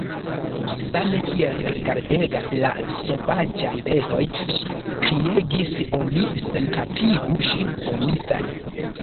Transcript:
same kiel rigardegas la sovaĝaj bestoj, ŝi kriegis: "Oni senkapigu ŝin, oni sen…"